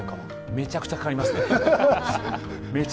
めちゃくちゃかかりますね。